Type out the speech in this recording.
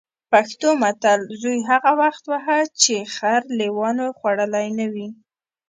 پښتو متل: زوی هغه وخت وهه چې خر لېوانو خوړلی نه وي.